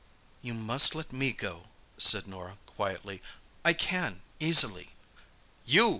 "You must let me go," said Norah quietly. "I can—easily." "You!"